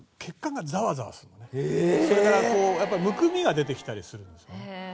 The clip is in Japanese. それからこうむくみが出てきたりするんですよね。